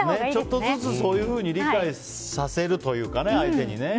ちょっとずつそういうふうに相手に理解させるというかね。